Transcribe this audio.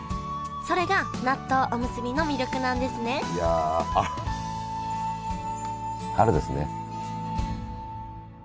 それが納豆おむすびの魅力なんですねいや春ですね。